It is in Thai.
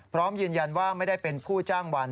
พร้อมยืนยันว่าไม่ได้เป็นผู้จ้างวัน